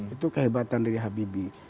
itu kehebatan dari habibie